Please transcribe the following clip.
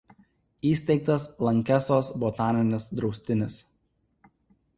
Įsteigtas Lankesos botaninis draustinis.